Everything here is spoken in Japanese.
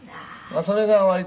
「それが割とね」